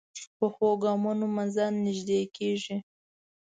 پخو ګامونو منزل نږدې کېږي